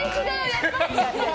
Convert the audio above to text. やっぱり。